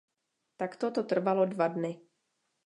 Takto to trvalo dva dny.